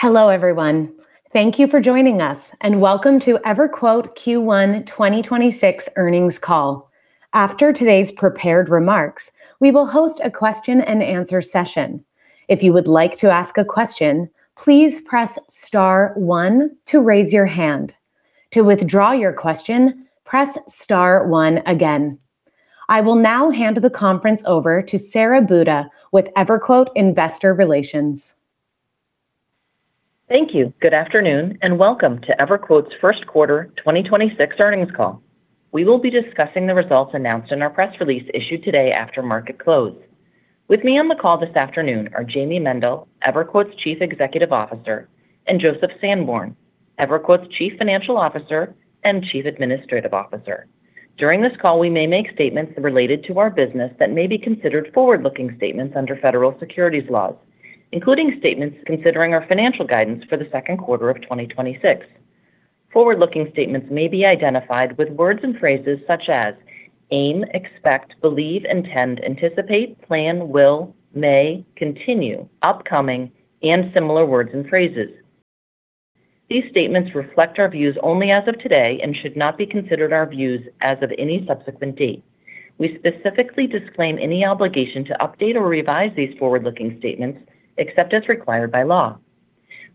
Hello, everyone. Thank you for joining us, and welcome to EverQuote Q1 2026 Earnings Call. After today's prepared remarks, we will host a question and answer session. If you would like to ask a question, please press star one to raise your hand. To withdraw your question, press star one again. I will now hand the conference over to Sara Buda with EverQuote Investor Relations. Thank you. Good afternoon, and welcome to EverQuote's First Quarter 2026 Earnings Call. We will be discussing the results announced in our press release issued today after market close. With me on the call this afternoon are Jayme Mendal, EverQuote's Chief Executive Officer, and Joseph Sanborn, EverQuote's Chief Financial Officer and Chief Administrative Officer. During this call, we may make statements related to our business that may be considered forward-looking statements under Federal securities laws, including statements considering our financial guidance for the second quarter of 2026. Forward-looking statements may be identified with words and phrases such as aim, expect, believe, intend, anticipate, plan, will, may, continue, upcoming, and similar words and phrases. These statements reflect our views only as of today and should not be considered our views as of any subsequent date. We specifically disclaim any obligation to update or revise these forward-looking statements except as required by law.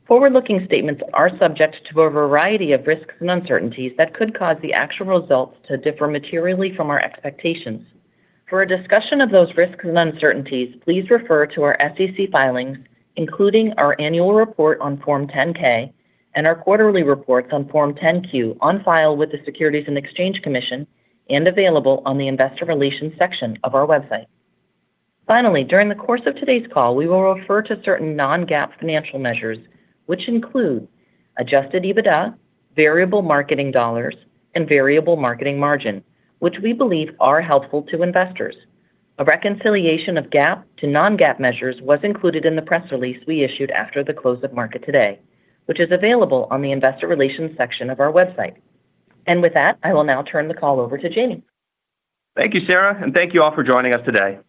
Forward-looking statements are subject to a variety of risks and uncertainties that could cause the actual results to differ materially from our expectations. For a discussion of those risks and uncertainties, please refer to our SEC filings, including our annual report on Form 10-K and our quarterly reports on Form 10-Q on file with the Securities and Exchange Commission and available on the investor relations section of our website. Finally, during the course of today's call, we will refer to certain non-GAAP financial measures, which include Adjusted EBITDA, Variable Marketing Dollars, and Variable Marketing Margin, which we believe are helpful to investors. A reconciliation of GAAP to non-GAAP measures was included in the press release we issued after the close of market today, which is available on the investor relations section of our website. With that, I will now turn the call over to Jayme. Thank you, Sara, and thank you all for joining us today.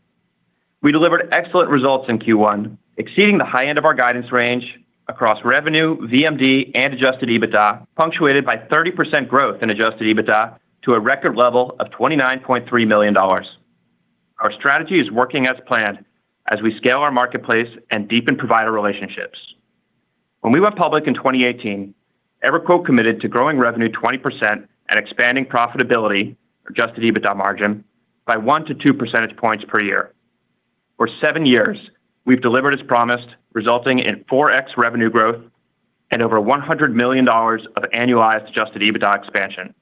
We delivered excellent results in Q1, exceeding the high end of our guidance range across revenue, VMD, and Adjusted EBITDA, punctuated by 30% growth in Adjusted EBITDA to a record level of $29.3 million. Our strategy is working as planned as we scale our marketplace and deepen provider relationships. When we went public in 2018, EverQuote committed to growing revenue 20% and expanding profitability, Adjusted EBITDA margin by 1 to 2 percentage points per year. For seven years, we've delivered as promised, resulting in 4x revenue growth and over $100 million of annualized Adjusted EBITDA expansion.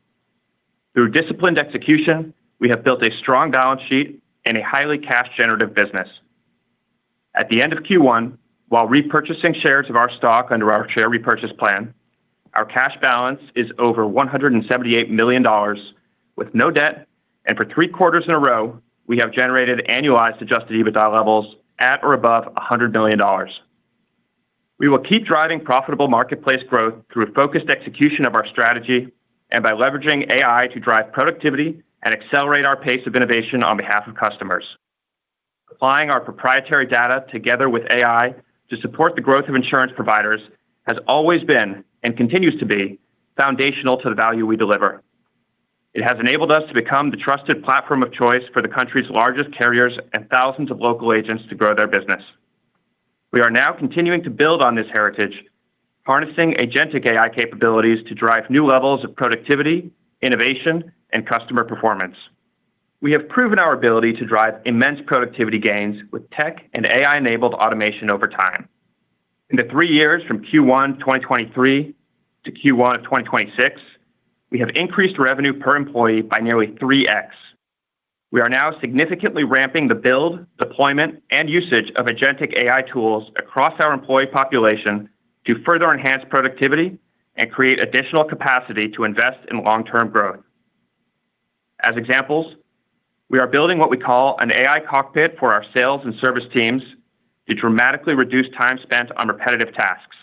Through disciplined execution, we have built a strong balance sheet and a highly cash-generative business. At the end of Q1, while repurchasing shares of our stock under our share repurchase plan, our cash balance is over $178 million with no debt, and for three quarters in a row, we have generated annualized Adjusted EBITDA levels at or above $100 million. We will keep driving profitable marketplace growth through a focused execution of our strategy and by leveraging AI to drive productivity and accelerate our pace of innovation on behalf of customers. Applying our proprietary data together with AI to support the growth of insurance providers has always been, and continues to be, foundational to the value we deliver. It has enabled us to become the trusted platform of choice for the country's largest carriers and thousands of local agents to grow their business. We are now continuing to build on this heritage, harnessing agentic AI capabilities to drive new levels of productivity, innovation, and customer performance. We have proven our ability to drive immense productivity gains with tech and AI-enabled automation over time. In the three years from Q1 2023 to Q1 2026, we have increased revenue per employee by nearly 3x. We are now significantly ramping the build, deployment, and usage of agentic AI tools across our employee population to further enhance productivity and create additional capacity to invest in long-term growth. As examples, we are building what we call an AI cockpit for our sales and service teams to dramatically reduce time spent on repetitive tasks.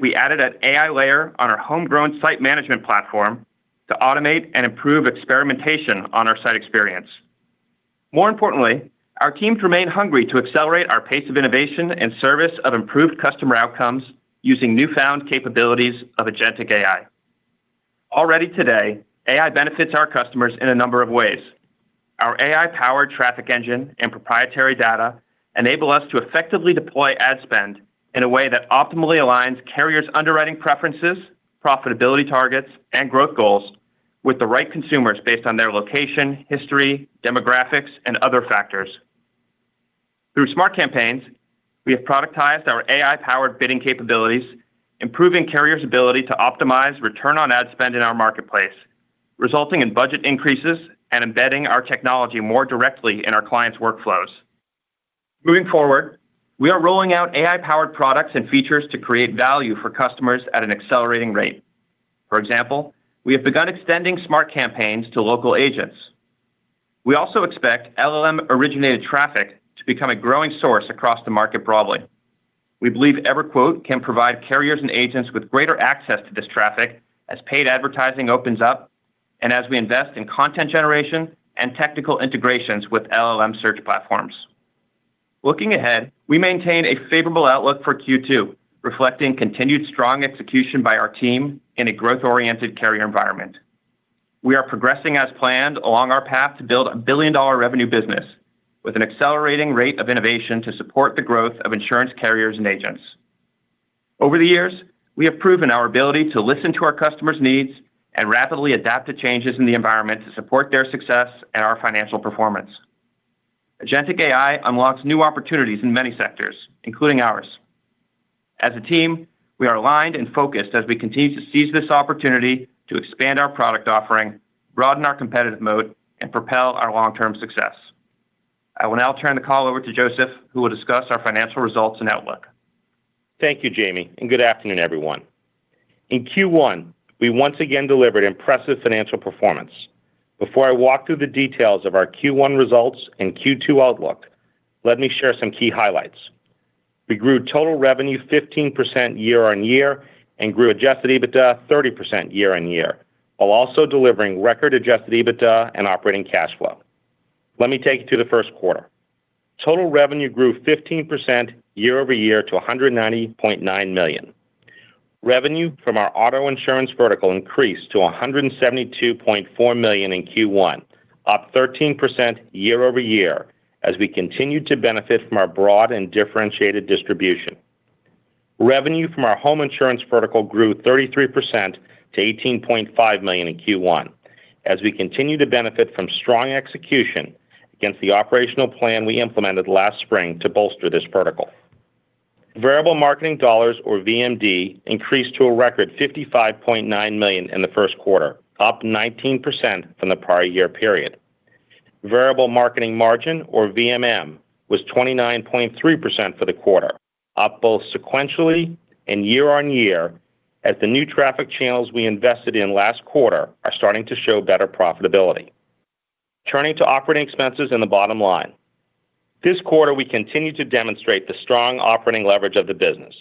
We added an AI layer on our homegrown site management platform to automate and improve experimentation on our site experience. More importantly, our teams remain hungry to accelerate our pace of innovation and service of improved customer outcomes using newfound capabilities of agentic AI. Already today, AI benefits our customers in a number of ways. Our AI-powered traffic engine and proprietary data enable us to effectively deploy ad spend in a way that optimally aligns carriers' underwriting preferences, profitability targets, and growth goals with the right consumers based on their location, history, demographics, and other factors. Through Smart Campaigns, we have productized our AI-powered bidding capabilities, improving carriers' ability to optimize return on ad spend in our marketplace, resulting in budget increases and embedding our technology more directly in our clients' workflows. Moving forward, we are rolling out AI-powered products and features to create value for customers at an accelerating rate. For example, we have begun extending Smart Campaigns to local agents. We also expect LLM-originated traffic to become a growing source across the market broadly. We believe EverQuote can provide carriers and agents with greater access to this traffic as paid advertising opens up. As we invest in content generation and technical integrations with LLM search platforms. Looking ahead, we maintain a favorable outlook for Q2, reflecting continued strong execution by our team in a growth-oriented carrier environment. We are progressing as planned along our path to build a billion dollar revenue business with an accelerating rate of innovation to support the growth of insurance carriers and agents. Over the years, we have proven our ability to listen to our customers' needs and rapidly adapt to changes in the environment to support their success and our financial performance. Agentic AI unlocks new opportunities in many sectors, including ours. As a team, we are aligned and focused as we continue to seize this opportunity to expand our product offering, broaden our competitive moat and propel our long-term success. I will now turn the call over to Joseph, who will discuss our financial results and outlook. Thank you, Jayme, and good afternoon, everyone. In Q1, we once again delivered impressive financial performance. Before I walk through the details of our Q1 results and Q2 outlook, let me share some key highlights. We grew total revenue 15% year-over-year and grew Adjusted EBITDA 30% year-over-year, while also delivering record Adjusted EBITDA and operating cash flow. Let me take you to the first quarter. Total revenue grew 15% year-over-year to $190.9 million. Revenue from our auto insurance vertical increased to $172.4 million in Q1, up 13% year-over-year as we continued to benefit from our broad and differentiated distribution. Revenue from our home insurance vertical grew 33% to $18.5 million in Q1 as we continue to benefit from strong execution against the operational plan we implemented last spring to bolster this vertical. Variable Marketing Dollars, or VMD, increased to a record $55.9 million in the first quarter, up 19% from the prior year period. Variable Marketing Margin, or VMM, was 29.3% for the quarter, up both sequentially and year on year as the new traffic channels we invested in last quarter are starting to show better profitability. Turning to operating expenses and the bottom line. This quarter, we continued to demonstrate the strong operating leverage of the business.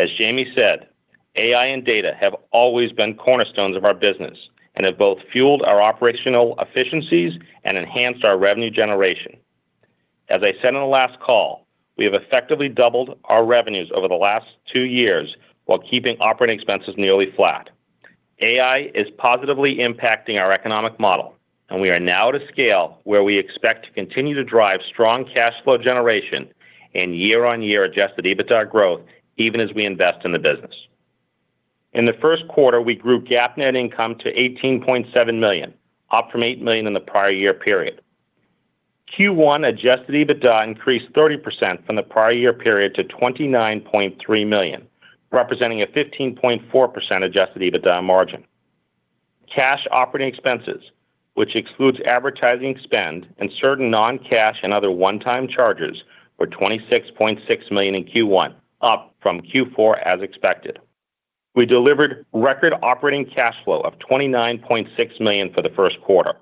As Jayme said, AI and data have always been cornerstones of our business and have both fueled our operational efficiencies and enhanced our revenue generation. As I said on the last call, we have effectively doubled our revenues over the last two years while keeping operating expenses nearly flat. AI is positively impacting our economic model, and we are now at a scale where we expect to continue to drive strong cash flow generation and year-on-year Adjusted EBITDA growth even as we invest in the business. In the first quarter, we grew GAAP net income to $18.7 million, up from $8 million in the prior year period. Q1 Adjusted EBITDA increased 30% from the prior year period to $29.3 million, representing a 15.4% Adjusted EBITDA margin. Cash operating expenses, which excludes advertising spend and certain non-cash and other one-time charges, were $26.6 million in Q1, up from Q4 as expected. We delivered record operating cash flow of $29.6 million for the first quarter.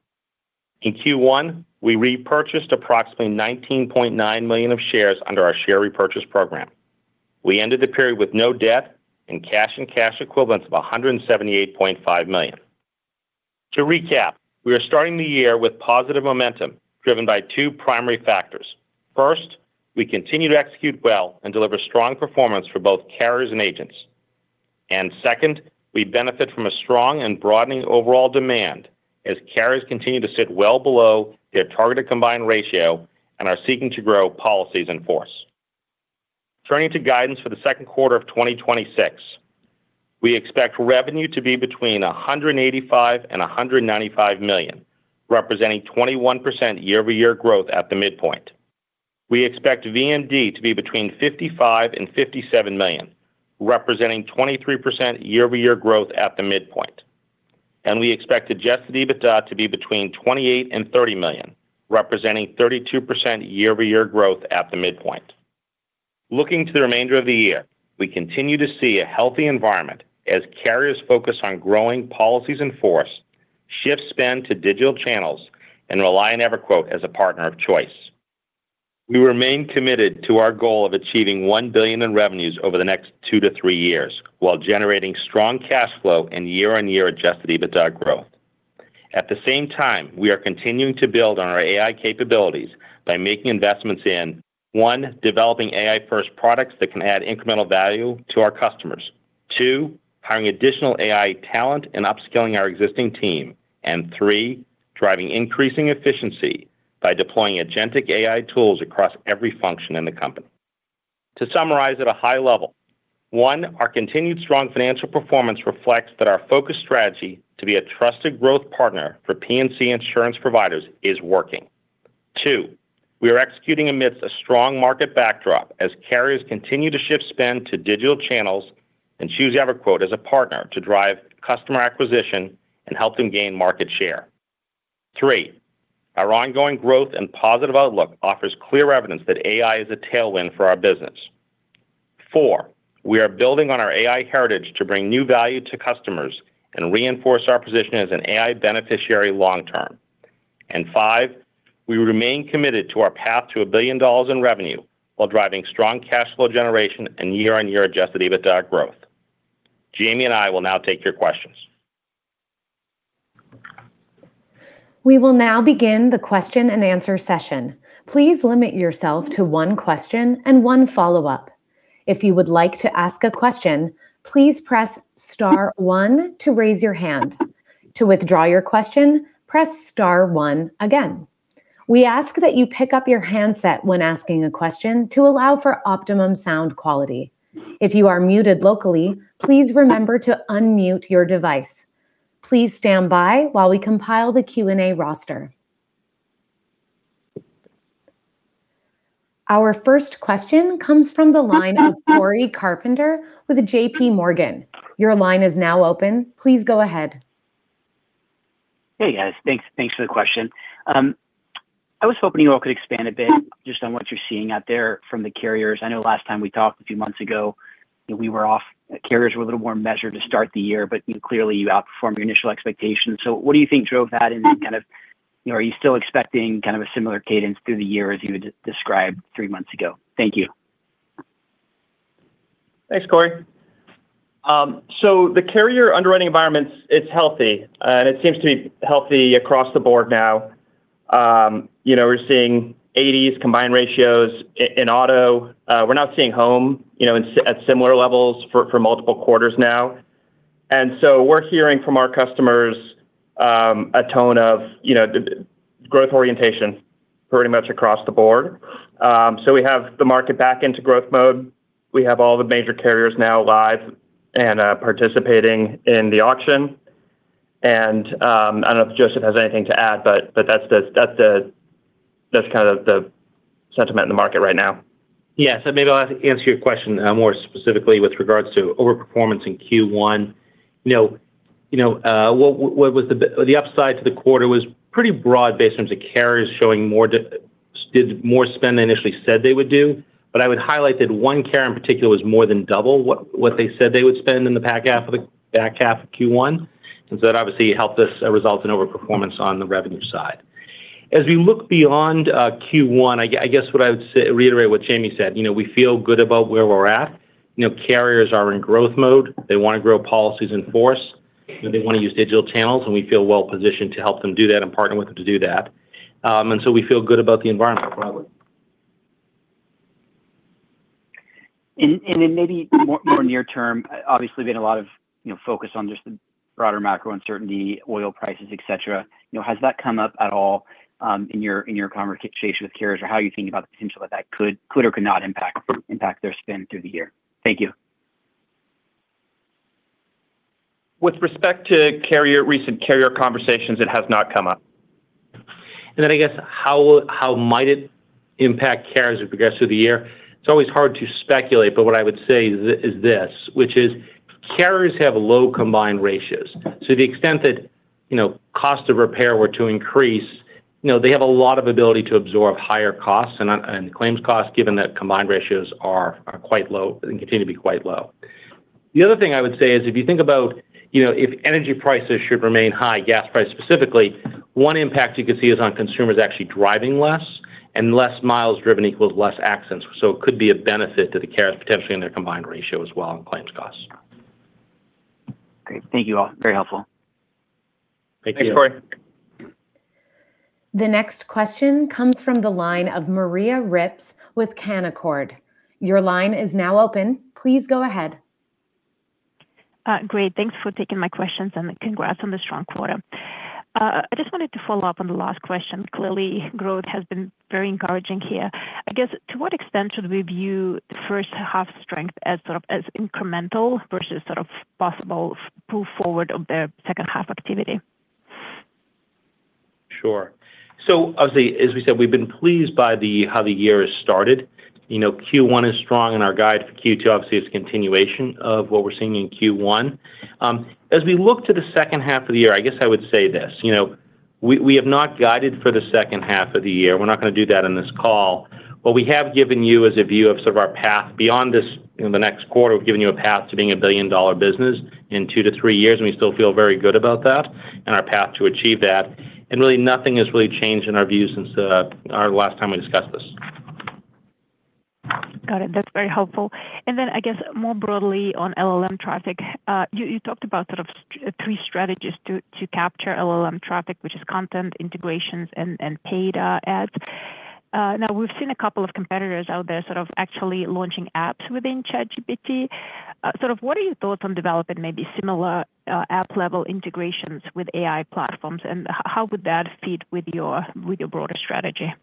In Q1, we repurchased approximately $19.9 million of shares under our share repurchase program. We ended the period with no debt and cash and cash equivalents of $178.5 million. To recap, we are starting the year with positive momentum driven by two primary factors. First, we continue to execute well and deliver strong performance for both carriers and agents. Second, we benefit from a strong and broadening overall demand as carriers continue to sit well below their targeted combined ratio and are seeking to grow policies in force. Turning to guidance for the second quarter of 2026, we expect revenue to be between $185 million and $195 million, representing 21% year-over-year growth at the midpoint. We expect VMD to be between $55 million and $57 million, representing 23% year-over-year growth at the midpoint. We expect Adjusted EBITDA to be between $28 million and $30 million, representing 32% year-over-year growth at the midpoint. Looking to the remainder of the year, we continue to see a healthy environment as carriers focus on growing policies in force, shift spend to digital channels and rely on EverQuote as a partner of choice. We remain committed to our goal of achieving $1 billion in revenues over the next two to three years while generating strong cash flow and year-on-year Adjusted EBITDA growth. At the same time, we are continuing to build on our AI capabilities by making investments in, one, developing AI-first products that can add incremental value to our customers. Two, hiring additional AI talent and upskilling our existing team. Three, driving increasing efficiency by deploying agentic AI tools across every function in the company. To summarize at a high level, one, our continued strong financial performance reflects that our focused strategy to be a trusted growth partner for P&C insurance providers is working. Two, we are executing amidst a strong market backdrop as carriers continue to shift spend to digital channels and choose EverQuote as a partner to drive customer acquisition and help them gain market share. Three, our ongoing growth and positive outlook offers clear evidence that AI is a tailwind for our business. Four, we are building on our AI heritage to bring new value to customers and reinforce our position as an AI beneficiary long term. Five, we remain committed to our path to a billion dollar in revenue while driving strong cash flow generation and year-on-year Adjusted EBITDA growth. Jayme and I will now take your questions. We will now begin the question and answer session. Please limit yourself to one question and one follow-up. If you would like to ask a question please press star one to raise your hand. To withdraw you question press star one again. We ask that you pick up your handset when asking your question to allow for optimum sound quality. If you are muted locally please remember to unmute your device. Please standby while we compile the Q and A roster. Our first question comes from the line of Cory Carpenter with JPMorgan. Your line is now open. Please go ahead. Hey, guys. Thanks for the question. I was hoping you all could expand a bit just on what you're seeing out there from the carriers. I know last time we talked a few months ago, carriers were a little more measured to start the year, but clearly you outperformed your initial expectations. What do you think drove that and then kind of, you know, are you still expecting kind of a similar cadence through the year as you had described three months ago? Thank you. Thanks, Cory. The carrier underwriting environment, it's healthy, and it seems to be healthy across the board now. You know, we're seeing 80s combined ratios in auto. We're now seeing home, you know, at similar levels for multiple quarters now. We're hearing from our customers, a tone of, you know, growth orientation pretty much across the board. We have the market back into growth mode. We have all the major carriers now live and participating in the auction. I don't know if Joseph has anything to add, but that's the, that's kind of the sentiment in the market right now. Yeah. Maybe I'll answer your question more specifically with regards to overperformance in Q1. You know, what was the upside to the quarter was pretty broad based in terms of carriers showing more did more spend than initially said they would do. I would highlight that one carrier in particular was more than double what they said they would spend in the back half of the back half of Q1. That obviously helped us result in overperformance on the revenue side. As we look beyond Q1, I guess what I would say, reiterate what Jayme said. You know, we feel good about where we're at. You know, carriers are in growth mode. They want to grow policies in force, and they want to use digital channels, and we feel well-positioned to help them do that and partner with them to do that. We feel good about the environment broadly. Maybe more near term, obviously, been a lot of, you know, focus on just the broader macro uncertainty, oil prices, et cetera. You know, has that come up at all in your conversation with carriers? How are you thinking about the potential that that could or could not impact their spend through the year? Thank you. With respect to recent carrier conversations, it has not come up. Then I guess, how might it impact carriers as we progress through the year? It's always hard to speculate, what I would say is this, which is carriers have low combined ratios. To the extent that, you know, cost of repair were to increase, you know, they have a lot of ability to absorb higher costs and claims costs, given that combined ratios are quite low and continue to be quite low. The other thing I would say is if you think about, you know, if energy prices should remain high, gas prices specifically, one impact you could see is on consumers actually driving less, and less miles driven equals less accidents. It could be a benefit to the carriers potentially in their combined ratio as well and claims costs. Great. Thank you all. Very helpful. Thank you. Thanks, Cory. The next question comes from the line of Maria Ripps with Canaccord. Your line is now open. Please go ahead. Great. Thanks for taking my questions and congrats on the strong quarter. I just wanted to follow up on the last question. Clearly, growth has been very encouraging here. I guess, to what extent should we view the first half strength as sort of as incremental versus sort of possible pull forward of the second half activity? As we said, we've been pleased by how the year has started. You know, Q1 is strong. Our guide for Q2 obviously is a continuation of what we're seeing in Q1. As we look to the second half of the year, I guess I would say this. You know, we have not guided for the second half of the year. We're not going to do that on this call. What we have given you is a view of sort of our path beyond this in the next quarter. We've given you a path to being a billion-dollar business in two to three years. We still feel very good about that and our path to achieve that. Really nothing has really changed in our view since our last time we discussed this. Got it. That's very helpful. Then I guess more broadly on LLM traffic, you talked about sort of three strategies to capture LLM traffic, which is content, integrations, and paid ads. Now we've seen a couple of competitors out there sort of actually launching apps within ChatGPT. Sort of what are your thoughts on developing maybe similar app-level integrations with AI platforms, and how would that fit with your broader strategy?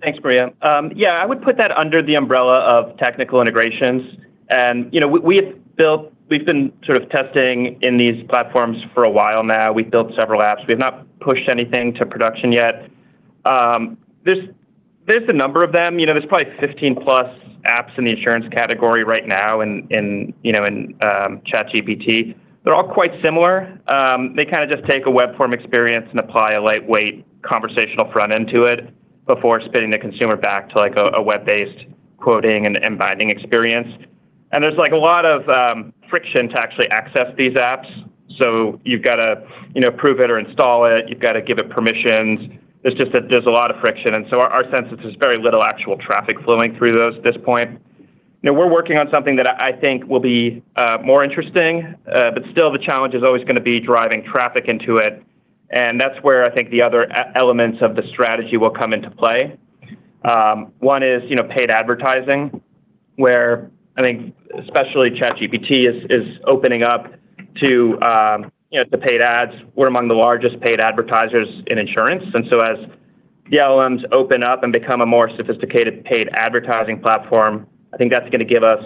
Thanks, Maria. Yeah, I would put that under the umbrella of technical integrations. You know, we've been sort of testing in these platforms for a while now. We've built several apps. We have not pushed anything to production yet. There's a number of them. You know, there's probably 15 plus apps in the insurance category right now in, you know, in ChatGPT. They're all quite similar. They kind of just take a web form experience and apply a lightweight conversational front end to it before spitting the consumer back to, like, a web-based quoting and binding experience. There's like a lot of friction to actually access these apps. You've got to, you know, prove it or install it. You've got to give it permissions. There's just that there's a lot of friction. Our sense is there's very little actual traffic flowing through those at this point. We're working on something that I think will be more interesting. The challenge is always going to be driving traffic into it. That's where I think the other elements of the strategy will come into play. One is, you know, paid advertising, where I think especially ChatGPT is opening up to, you know, to paid ads. We're among the largest paid advertisers in insurance. As the LLMs open up and become a more sophisticated paid advertising platform, I think that's going to give us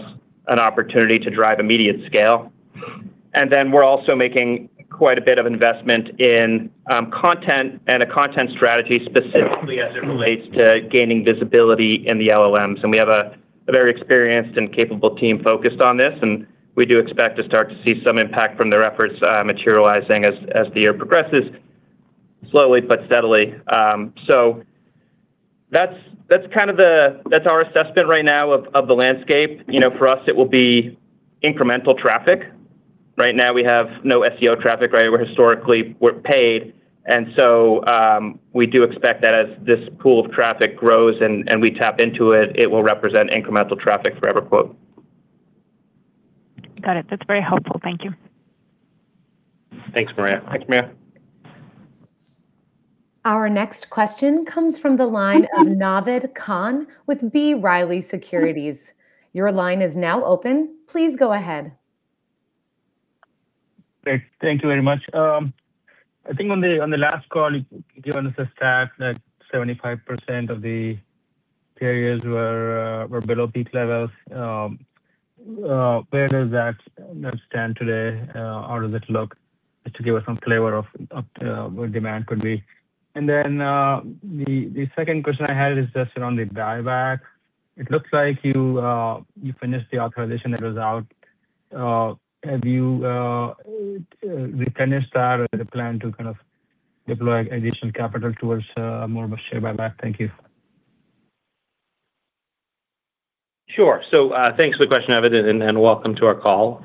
an opportunity to drive immediate scale. We're also making quite a bit of investment in content and a content strategy specifically as it relates to gaining visibility in the LLMs. We have a very experienced and capable team focused on this, and we do expect to start to see some impact from their efforts materializing as the year progresses, slowly but steadily. That's our assessment right now of the landscape. You know, for us, it will be incremental traffic. Right now we have no SEO traffic, right? We're historically paid. We do expect that as this pool of traffic grows and we tap into it will represent incremental traffic for EverQuote. Got it. That's very helpful. Thank you. Thanks, Maria. Thanks, Maria. Our next question comes from the line of Naved Khan with B. Riley Securities. Your line is now open. Please go ahead. Great. Thank you very much. I think on the last call, you gave us a stat that 75% of the carriers were below peak levels. Where does that now stand today? How does it look? Just to give us some flavor of where demand could be. The second question I had is just around the buyback. It looks like you finished the authorization that was out. Have you replenished that or the plan to kind of deploy additional capital towards more of a share buyback? Thank you. Sure. thanks for the question, Naved, and welcome to our call.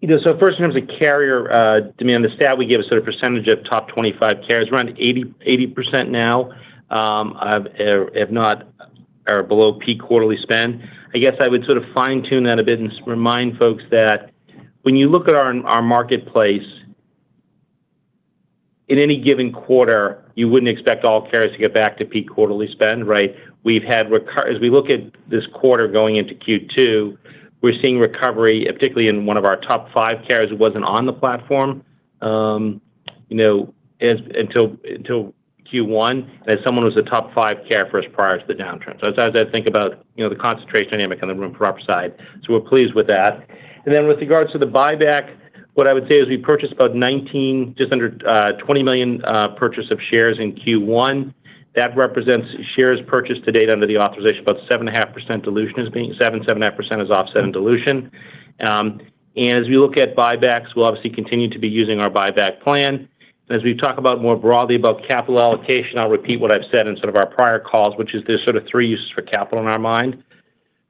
you know, first in terms of carrier, demand, the stat we give is sort of percentage of top 25 carriers. Around 80% now, are below peak quarterly spend. I guess I would sort of fine-tune that a bit and remind folks that when you look at our marketplace, in any given quarter, you wouldn't expect all carriers to get back to peak quarterly spend, right? As we look at this quarter going into Q2, we're seeing recovery, particularly in one of our top five carriers that wasn't on the platform, you know, until Q1 as someone who was a top five carrier for us prior to the downturn. As I think about, you know, the concentration dynamic on the room for upside. We're pleased with that. With regards to the buyback, what I would say is we purchased about 19, just under, $20 million purchase of shares in Q1. That represents shares purchased to date under the authorization, about 7.5% dilution is offset in dilution. As we look at buybacks, we'll obviously continue to be using our buyback plan. As we talk about more broadly about capital allocation, I'll repeat what I've said in sort of our prior calls, which is there's sort of three uses for capital in our mind.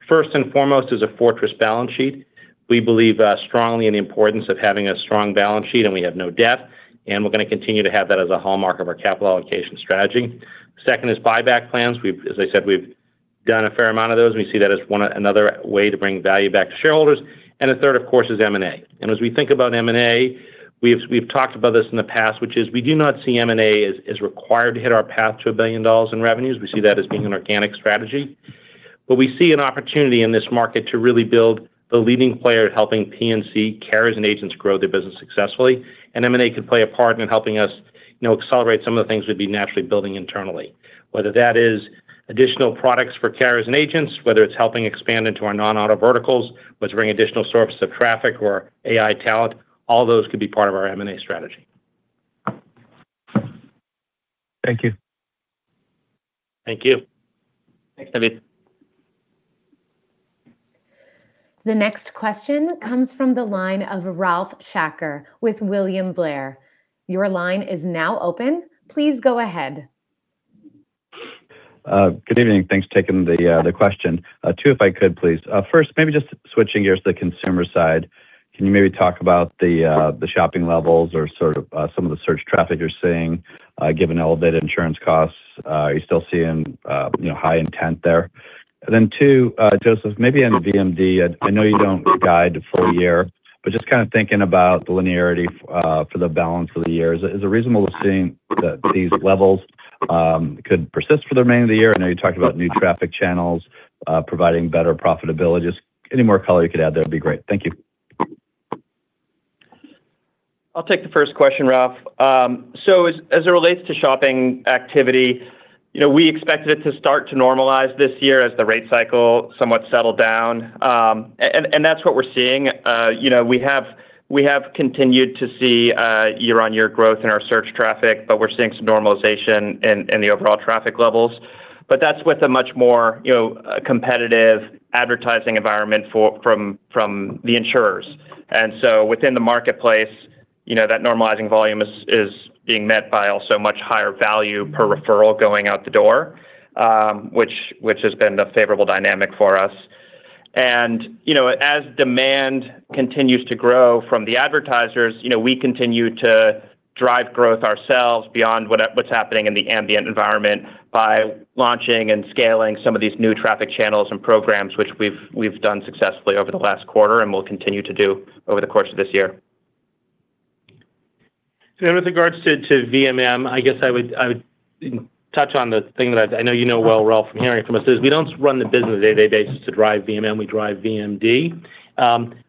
First and foremost is a fortress balance sheet. We believe strongly in the importance of having a strong balance sheet, and we have no debt, and we're going to continue to have that as a hallmark of our capital allocation strategy. Second is buyback plans. As I said, we've done a fair amount of those, and we see that as another way to bring value back to shareholders. The third, of course, is M&A. As we think about M&A, we've talked about this in the past, which is we do not see M&A as required to hit our path to a billion dollar in revenues. We see that as being an organic strategy. We see an opportunity in this market to really build the leading player helping P&C carriers and agents grow their business successfully. M&A could play a part in helping us, you know, accelerate some of the things we'd be naturally building internally. Whether that is additional products for carriers and agents, whether it's helping expand into our non-auto verticals, whether it's bringing additional sources of traffic or AI talent, all those could be part of our M&A strategy. Thank you. Thank you. Thanks, Naved. The next question comes from the line of Ralph Schackart with William Blair. Your line is now open. Please go ahead. Good evening. Thanks for taking the question. Two if I could, please. One, maybe just switching gears to the consumer side, can you maybe talk about the shopping levels or sort of, some of the search traffic you're seeing, given elevated insurance costs? Are you still seeing, you know, high intent there? Two, Joseph, maybe on VMD, I know you don't guide full year, but just kind of thinking about the linearity for the balance of the year. Is it reasonable assuming that these levels could persist for the remainder of the year? I know you talked about new traffic channels, providing better profitability. Just any more color you could add there would be great. Thank you. I'll take the first question, Ralph. As it relates to shopping activity, you know, we expected it to start to normalize this year as the rate cycle somewhat settled down. That's what we're seeing. You know, we have continued to see year-on-year growth in our search traffic, but we're seeing some normalization in the overall traffic levels. That's with a much more, you know, competitive advertising environment from the insurers and so within the marketplace. You know, that normalizing volume is being met by also much higher value per referral going out the door, which has been the favorable dynamic for us. You know, as demand continues to grow from the advertisers, you know, we continue to drive growth ourselves beyond what's happening in the ambient environment by launching and scaling some of these new traffic channels and programs which we've done successfully over the last quarter and will continue to do over the course of this year. With regards to VMM, I guess I would touch on the thing that I know you know well, Ralph, from hearing from us is we don't run the business day-to-day basis to drive VMM, we drive VMD.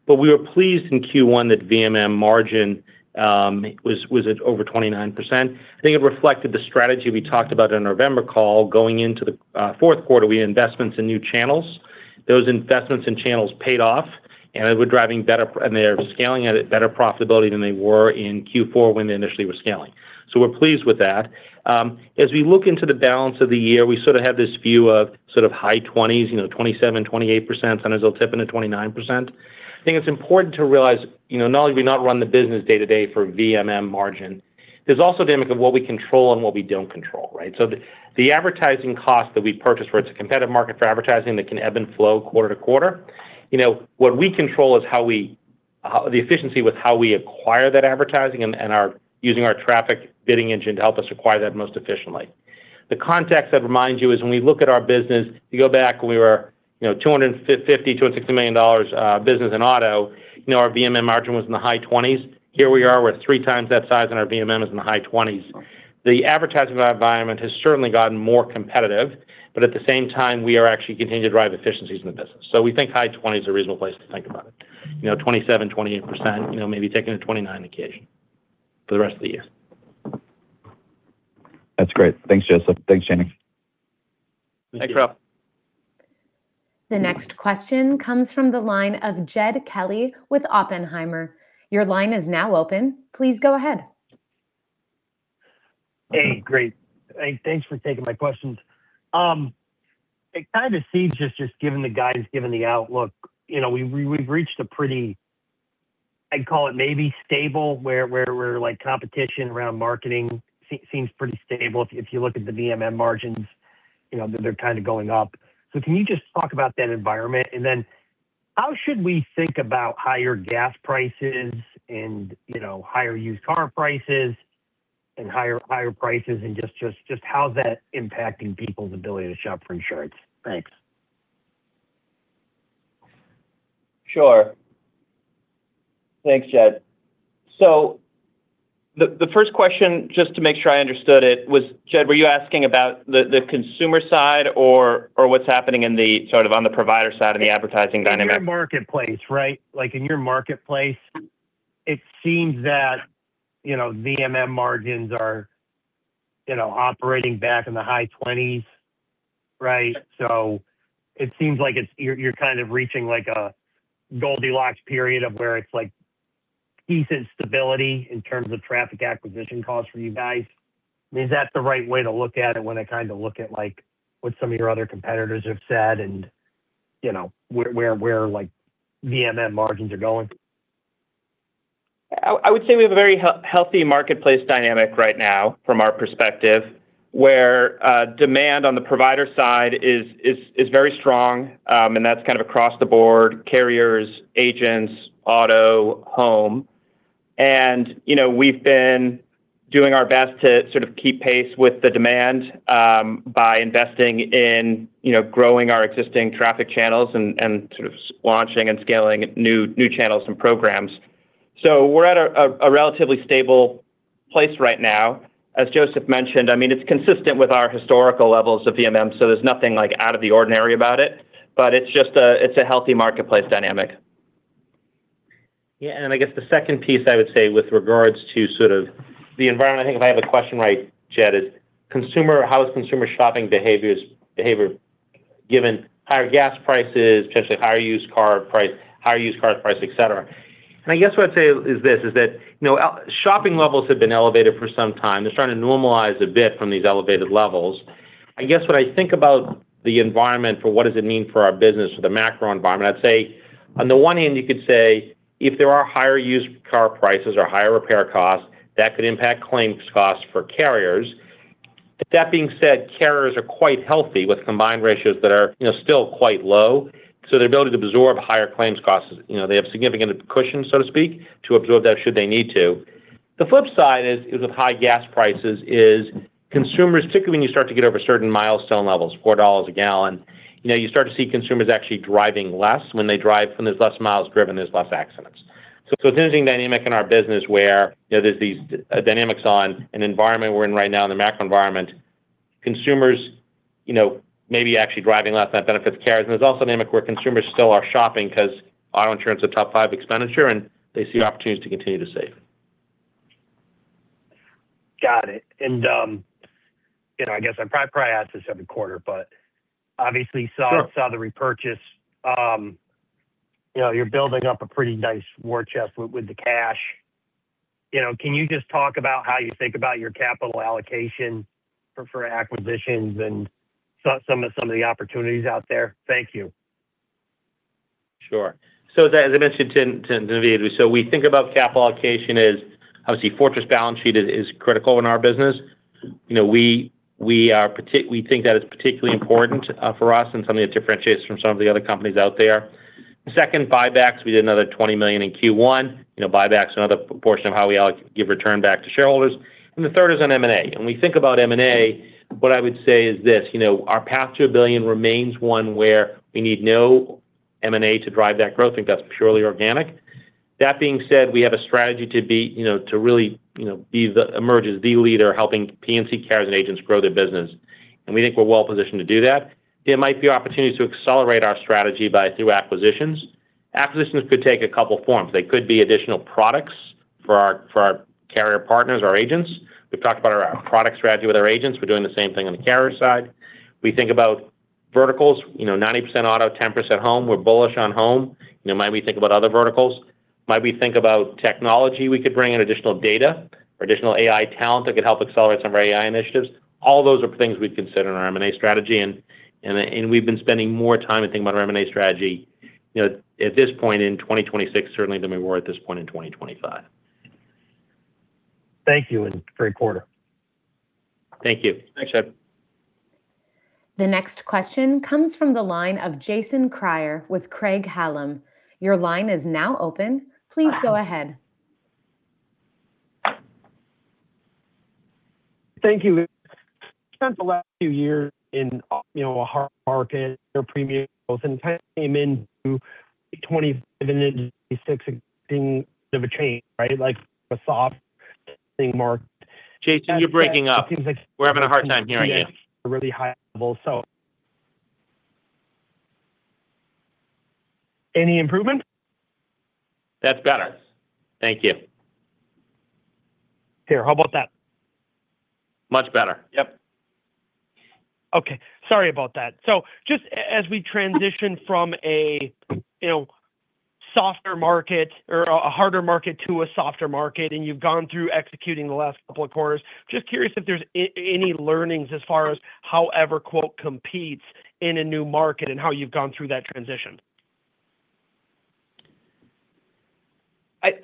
We were pleased in Q1 that VMM margin was at over 29%. I think it reflected the strategy we talked about in November call going into the fourth quarter. We had investments in new channels. Those investments in channels paid off, and they're scaling at a better profitability than they were in Q4 when they initially were scaling. We're pleased with that. As we look into the balance of the year, we sort of have this view of sort of high 20s, you know, 27%, 28%, sometimes it'll tip into 29%. I think it's important to realize, you know, not only do we not run the business day-to-day for VMM margin, there's also a dynamic of what we control and what we don't control, right? The advertising cost that we purchase where it's a competitive market for advertising that can ebb and flow quarter to quarter. What we control is the efficiency with how we acquire that advertising and using our traffic bidding engine to help us acquire that most efficiently. The context I'd remind you is when we look at our business, you go back when we were, you know, $250 million to $6 million business in auto, you know, our VMM margin was in the high 20s. Here we are, we're three times that size, our VMM is in the high 20s. The advertising environment has certainly gotten more competitive, but at the same time, we are actually continuing to drive efficiencies in the business. We think high 20s is a reasonable place to think about it. You know, 27%, 28%, you know, maybe taking a 29% occasion for the rest of the year. That's great. Thanks, Joseph. Thanks, Jayme. Thanks, Ralph. The next question comes from the line of Jed Kelly with Oppenheimer. Your line is now open. Please go ahead. Hey, great. Hey, thanks for taking my questions. It kind of seems just given the guidance, given the outlook, you know, we've reached a pretty, I'd call it maybe stable where we're like competition around marketing seems pretty stable. If you look at the VMM margins, you know, they're kind of going up. Can you just talk about that environment? How should we think about higher gas prices and, you know, higher used car prices and higher prices and just how's that impacting people's ability to shop for insurance? Thanks. Sure. Thanks, Jed. The first question, just to make sure I understood it, was Jed, were you asking about the consumer side or what's happening in the sort of on the provider side of the advertising dynamic? In your marketplace, right? Like in your marketplace, it seems that, you know, VMM margins are, you know, operating back in the high 20s, right? It seems like you're kind of reaching like a Goldilocks period of where it's like decent stability in terms of traffic acquisition costs for you guys. I mean, is that the right way to look at it when I kind of look at like what some of your other competitors have said and, you know, where like VMM margins are going? I would say we have a very healthy marketplace dynamic right now from our perspective, where demand on the provider side is very strong. That's kind of across the board, carriers, agents, auto, home. You know, we've been doing our best to sort of keep pace with the demand by investing in, you know, growing our existing traffic channels and sort of launching and scaling new channels and programs. We're at a relatively stable place right now. As Joseph mentioned, I mean, it's consistent with our historical levels of VMM, there's nothing like out of the ordinary about it, but it's just a healthy marketplace dynamic. Yeah. I guess the second piece I would say with regards to sort of the environment, I think if I have the question right, Jed, is how is consumer shopping behaviors, behavior given higher gas prices, potentially higher used car price, et cetera. I guess what I'd say is this, is that, you know, shopping levels have been elevated for some time. They're starting to normalize a bit from these elevated levels. I guess what I think about the environment for what does it mean for our business or the macro environment, I'd say on the one hand, you could say if there are higher used car prices or higher repair costs, that could impact claims costs for carriers. That being said, carriers are quite healthy with combined ratios that are, you know, still quite low, so their ability to absorb higher claims costs, you know, they have significant cushion, so to speak, to absorb that should they need to. The flip side is with high gas prices is consumers, particularly when you start to get over certain milestone levels, $4 a gallon, you know, you start to see consumers actually driving less. When they drive, when there's less miles driven, there's less accidents. There's an interesting dynamic in our business where, you know, there's these dynamics on an environment we're in right now in the macro environment. Consumers, you know, maybe actually driving less, that benefits carriers. There's also a dynamic where consumers still are shopping 'cause auto insurance is a top five expenditure, and they see opportunities to continue to save. Got it. You know, I guess I probably ask this every quarter, but. Sure Saw the repurchase, you know, you're building up a pretty nice war chest with the cash. You know, can you just talk about how you think about your capital allocation for acquisitions and some of the opportunities out there? Thank you. Sure. As I mentioned to Naved, we think about capital allocation as obviously fortress balance sheet is critical in our business. You know, we think that it's particularly important for us and something that differentiates from some of the other companies out there. The second, buybacks, we did another $20 million in Q1. You know, buyback's another portion of how we give return back to shareholders. The third is on M&A. When we think about M&A, what I would say is this, you know, our path to a billion remains one where we need no M&A to drive that growth. I think that's purely organic. That being said, we have a strategy to be, you know, to really, you know, emerge as the leader helping P&C carriers and agents grow their business, and we think we're well positioned to do that. There might be opportunities to accelerate our strategy through acquisitions. Acquisitions could take a couple forms. They could be additional products for our carrier partners, our agents. We've talked about our product strategy with our agents. We're doing the same thing on the carrier side. We think about verticals. You know, 90% auto, 10% home. We're bullish on home. You know, might we think about other verticals? Might we think about technology? We could bring in additional data or additional AI talent that could help accelerate some of our AI initiatives. All those are things we'd consider in our M&A strategy and we've been spending more time to think about our M&A strategy, you know, at this point in 2026 certainly than we were at this point in 2025. Thank you, and great quarter. Thank you. Thanks, Jed. The next question comes from the line of Jason Kreyer with Craig-Hallum. Your line is now open. Please go ahead. Thank you. Spent the last few years in, you know, a hard market, lower premiums, and kind of came into 2026 expecting a bit of a change, right? Jason, you're breaking up. We're having a hard time hearing you.... really high level, so any improvement? That's better. Thank you. Here, how about that? Much better. Yep. Okay. Sorry about that. Just as we transition from a, you know, softer market or a harder market to a softer market, and you've gone through executing the last couple of quarters, just curious if there's any learnings as far as how EverQuote competes in a new market and how you've gone through that transition?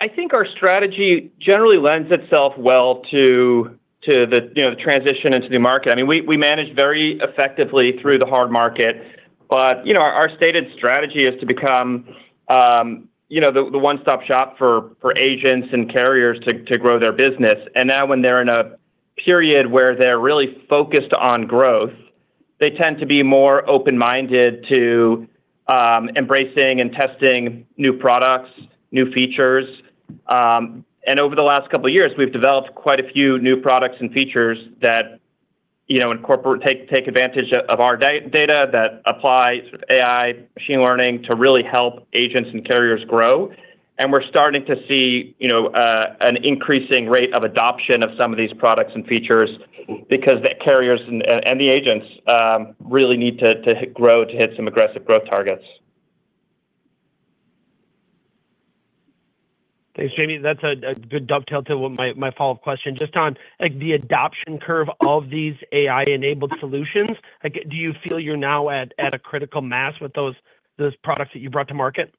I think our strategy generally lends itself well to the, you know, the transition into the new market. I mean, we managed very effectively through the hard market. You know, our stated strategy is to become, you know, the one-stop shop for agents and carriers to grow their business. Now when they're in a period where they're really focused on growth, they tend to be more open-minded to embracing and testing new products, new features. Over the last couple years, we've developed quite a few new products and features that, you know, incorporate, take advantage of our data, that apply sort of AI, machine learning to really help agents and carriers grow. We're starting to see, you know, an increasing rate of adoption of some of these products and features because the carriers and the agents really need to grow to hit some aggressive growth targets. Thanks, Jayme. That's a good dovetail to my follow-up question. Just on like the adoption curve of these AI-enabled solutions, like do you feel you're now at a critical mass with those products that you brought to market?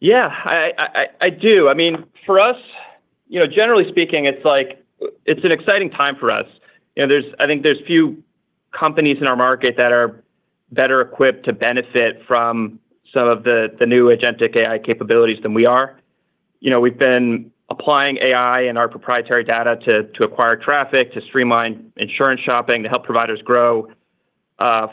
Yeah, I do. I mean, for us, you know, generally speaking, it's like it's an exciting time for us. You know, I think there's few companies in our market that are better equipped to benefit from some of the new agentic AI capabilities than we are. You know, we've been applying AI and our proprietary data to acquire traffic, to streamline insurance shopping, to help providers grow,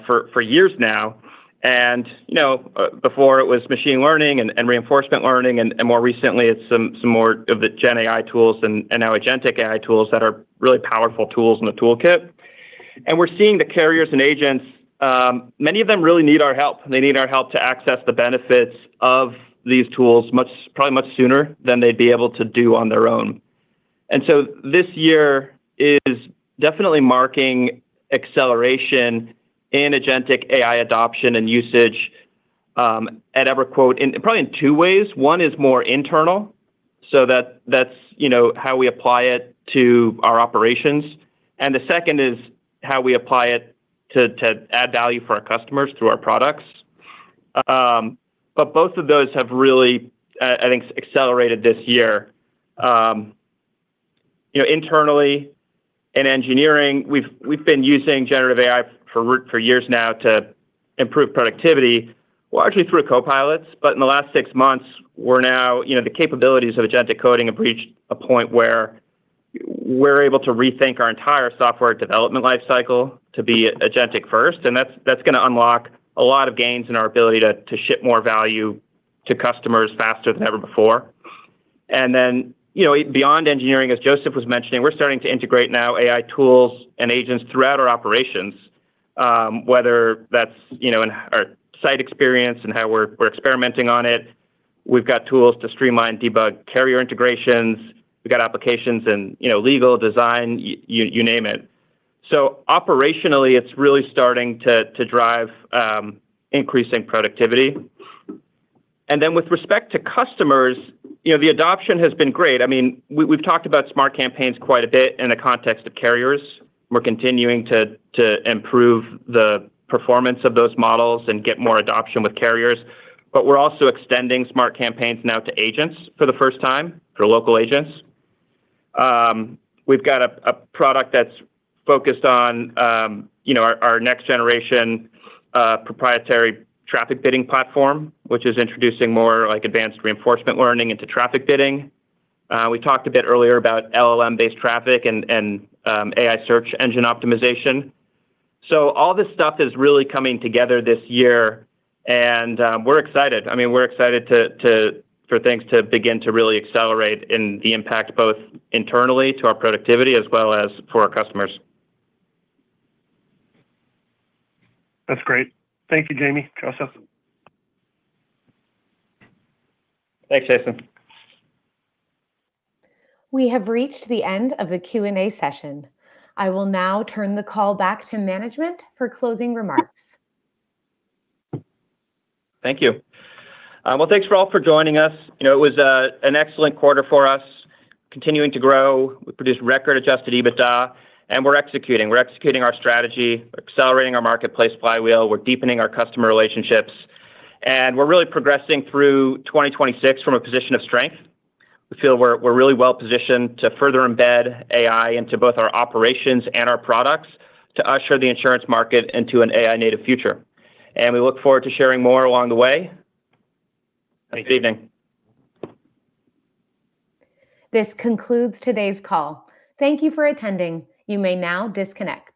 for years now. You know, before it was machine learning and reinforcement learning and more recently it's some more of the gen AI tools and now agentic AI tools that are really powerful tools in the toolkit. We're seeing the carriers and agents, many of them really need our help. They need our help to access the benefits of these tools much, probably much sooner than they'd be able to do on their own. This year is definitely marking acceleration in agentic AI adoption and usage at EverQuote in probably in two ways. One is more internal, so that's, you know, how we apply it to our operations. The second is how we apply it to add value for our customers through our products. Both of those have really, I think accelerated this year. You know, internally in engineering, we've been using generative AI for years now to improve productivity, well, actually through Copilots. In the last six months, we're now, you know, the capabilities of agentic coding have reached a point where we're able to rethink our entire software development life cycle to be agentic first, and that's gonna unlock a lot of gains in our ability to ship more value to customers faster than ever before. Then, you know, beyond engineering, as Joseph was mentioning, we're starting to integrate now AI tools and agents throughout our operations, whether that's, you know, in our site experience and how we're experimenting on it. We've got tools to streamline, debug carrier integrations. We've got applications in, you know, legal, design, you name it. Operationally, it's really starting to drive increasing productivity. Then with respect to customers, you know, the adoption has been great. I mean, we've talked about Smart Campaigns quite a bit in the context of carriers. We're continuing to improve the performance of those models and get more adoption with carriers, we're also extending Smart Campaigns now to agents for the first time, to local agents. We've got a product that's focused on, you know, our next generation proprietary traffic bidding platform, which is introducing more like advanced reinforcement learning into traffic bidding. We talked a bit earlier about LLM-based traffic and AI search engine optimization. All this stuff is really coming together this year, and we're excited. I mean, we're excited to for things to begin to really accelerate in the impact both internally to our productivity as well as for our customers. That's great. Thank you, Jayme. Joseph. Thanks, Jason. We have reached the end of the Q&A session. I will now turn the call back to management for closing remarks. Thank you. Well, thanks, all, for joining us. You know, it was an excellent quarter for us. Continuing to grow. We produced record Adjusted EBITDA, and we're executing. We're executing our strategy. We're accelerating our marketplace flywheel. We're deepening our customer relationships. We're really progressing through 2026 from a position of strength. We feel we're really well positioned to further embed AI into both our operations and our products to usher the insurance market into an AI native future. We look forward to sharing more along the way. Thanks, evening. This concludes today's call. Thank you for attending. You may now disconnect.